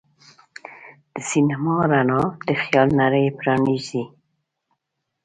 د سینما رڼا د خیال نړۍ پرانیزي.